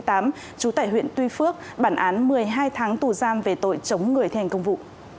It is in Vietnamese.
trú tại huyện tuy phước bản án một mươi hai tháng tù giam về tội chống người thi hành công vụ